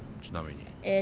ちなみに。